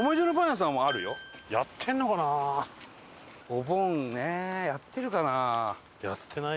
お盆ねえやってるかな？